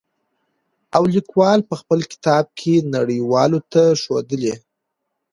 او ليکوال په خپل کتاب کې نړۍ والو ته ښودلي.